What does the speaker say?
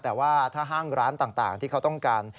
แต่ว่าถ้าห้างร้านต่างที่เขาต้องการ